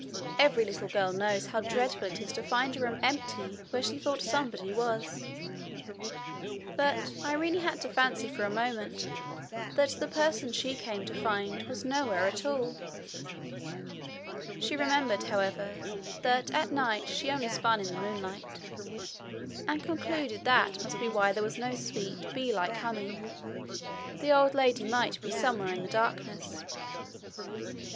Every little girl knows how dreadful it is to find a room empty where she thought somebody was; but Irene had to fancy for a moment that the person she came to find was nowhere at all. She remembered, however, that at night she spun only in the moonlight, and concluded that must be why there was no sweet, bee like humming: the old lady might be somewhere in the darkness.